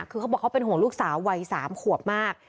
คือเขาบอกเขาเป็นห่วงลูกสาววัย๓ขวบมาก